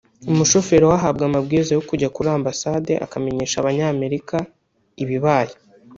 umushoferi we ahabwa amabwiriza yo kujya kuri ambasade akamenyesha Abanyamerika ibibaye